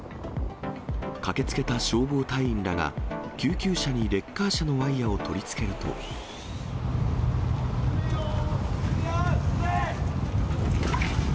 駆けつけた消防隊員らが救急車にレッカー車のワイヤを取り付ける危ないよー。